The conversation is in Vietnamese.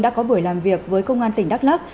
đã có buổi làm việc với công an tỉnh đắk lắc